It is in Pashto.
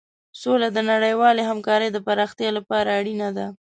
سوله د نړیوالې همکارۍ د پراختیا لپاره اړینه ده.